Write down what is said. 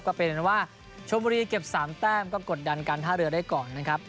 ก็เป็นว่าชมบุรีเก็บ๓แต้มก็กดดันการท่าเรือได้ก่อนนะครับ